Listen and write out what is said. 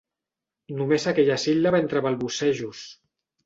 Només aquella síl·laba entre balbucejos.